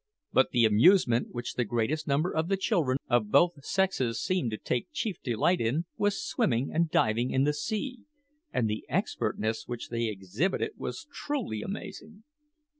But the amusement which the greatest number of the children of both sexes seemed to take chief delight in was swimming and diving in the sea, and the expertness which they exhibited was truly amazing.